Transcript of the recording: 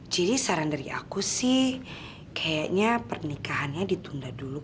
jadi saran dari aku sih kayaknya pernikahannya ditunda dulu ya